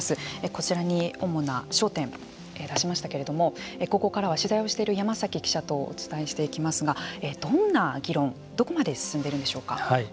こちらに主な焦点を出しましたけれどもここからは取材をしている山崎記者とお伝えしていきますがどんな議論でどこまで進んでいるんでしょうか。